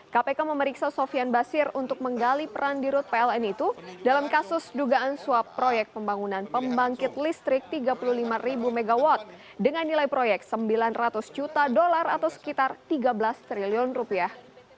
kpk memeriksa sofian basir untuk menggali peran di rut pln itu dalam kasus dugaan suap proyek pembangunan pembangkit listrik tiga puluh lima ribu megawatt dengan nilai proyek sembilan ratus juta dolar atau sekitar tiga belas triliun rupiah